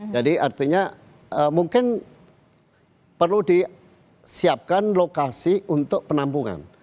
jadi artinya mungkin perlu disiapkan lokasi untuk penampungan